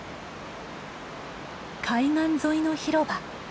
海岸沿いの広場。